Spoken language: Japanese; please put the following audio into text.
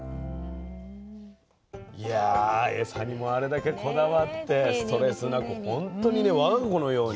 いやエサにもあれだけこだわってストレスなくほんとにね我が子のように。